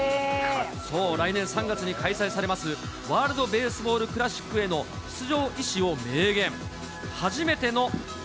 そう、来年３月に開催されますワールドベースボールクラシックへの出場意思を明言。